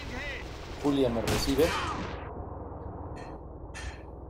Julia, ¿ me recibe?